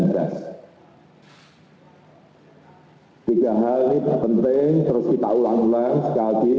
tiga hal ini penting terus kita ulang ulang sekali lagi